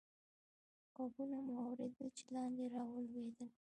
ږغونه مو اورېدل، چې لاندې رالوېدل.